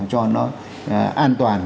cho nó an toàn